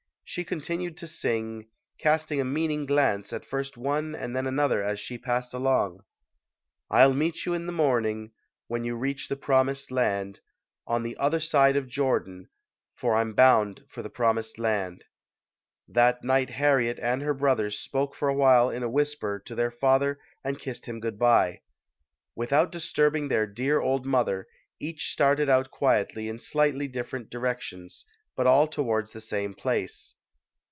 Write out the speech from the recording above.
She continued to sing, casting a meaning glance at first one and then another as she passed along: I'll meet you in the morning, When you reach the promised land, On the other side of Jordan, For I'm bound for the promised land. That night Harriet and her brothers spoke for a while in a whisper to their father and kissed him HARRIET TUBMAN [ 93 good bye. Without disturbing their dear old mother, each started out quietly in slightly dif ferent directions, but all towards the same place.